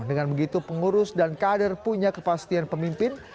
dengan begitu pengurus dan kader punya kepastian pemimpin